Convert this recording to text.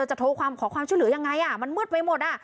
จะโทรความขอความช่วยเหลือยังไงมันมืดไปหมดอ่ะ